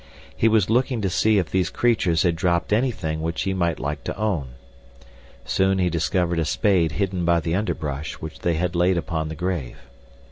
He was looking to see if these creatures had dropped anything which he might like to own. Soon he discovered a spade hidden by the underbrush which they had laid upon the grave.